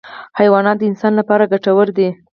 حیوانات د انسان لپاره ګټور دي.